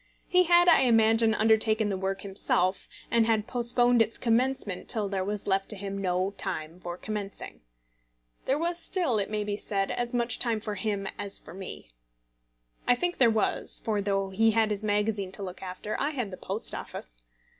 He had, I imagine, undertaken the work himself, and had postponed its commencement till there was left to him no time for commencing. There was still, it may be said, as much time for him as for me. I think there was, for though he had his magazine to look after, I had the Post Office.